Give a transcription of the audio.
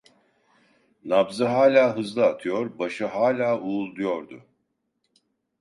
Nabzı hâlâ hızlı atıyor, başı hâlâ uğulduyordu.